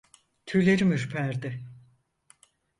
Tüylerim ürperdi.